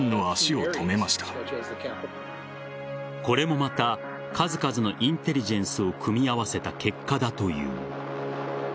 これもまた数々のインテリジェンスを組み合わせた結果だという。